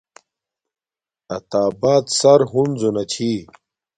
عطا آباد سر ہنزو نا چھی